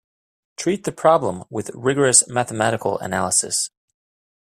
Treat the problem with rigorous mathematical analysis.